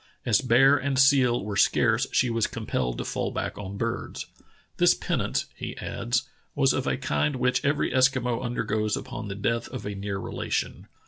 As bear and seal were scarce, she was compelled to fall back on birds. This penance [he adds] was of a kind which every Eskimo undergoes upon the death of a near relation.